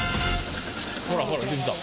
ほらほら出てきた。